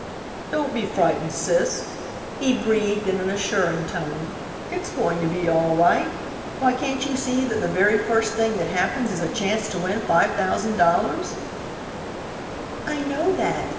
"Don't be frightened, sis," he breathed in an assuring tone, "it's going to be all right. Why, can't you see that the very first thing that happens is a chance to win $5,000?" "I know that.